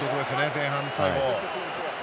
前半最後の。